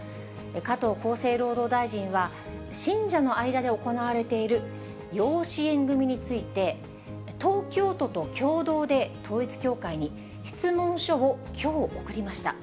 加藤厚生労働大臣は、信者の間で行われている養子縁組みについて、東京都と共同で統一教会に質問書をきょう送りました。